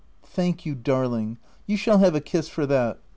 " Thank you, darling \ you shall have a kiss for that.